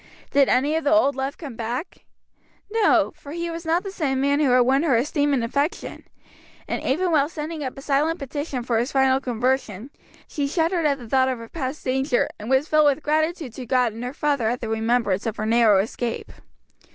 Did any of the old love come back? No, for he was not the man who had won her esteem and affection; and even while sending up a silent petition for his final conversion, she shuddered at the thought of her past danger, and was filled with gratitude to God and her father at the remembrance of her narrow escape.